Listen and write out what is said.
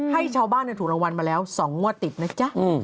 ให้ชาวบ้านถูกรางวัลมาแล้ว๒งวดติดนะจ๊ะ